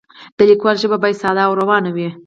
د لیکوال ژبه باید ساده او روانه وي.